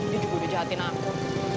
dia juga udah jahatin aku